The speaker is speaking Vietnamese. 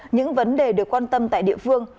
những vấn đề được quan tâm tại địa phương